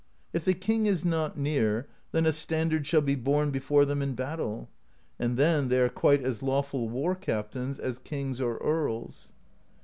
If the king is not near, then a standard shall be borne before them in battle; and then they are quite as lawful war captains as kings or earls.